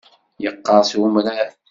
Yeqqeṛs umrar.